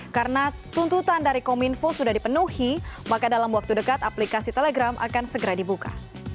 karena tuntutan dari kemenkominfo sudah dipenuhi maka dalam waktu dekat aplikasi telegram akan segera dibuka